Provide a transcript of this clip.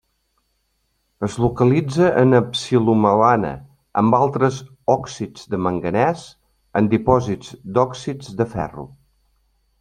Es localitza en psilomelana amb altres òxids de manganès, en dipòsits d'òxids de ferro.